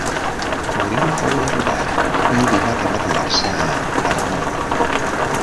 Boril fou derrotat i obligat a retirar-se a Tarnovo.